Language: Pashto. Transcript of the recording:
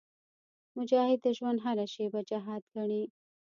مجاهد د ژوند هره شېبه جهاد ګڼي.